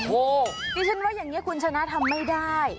โอ้โหดิฉันว่าอย่างนี้คุณชนะทำไม่ได้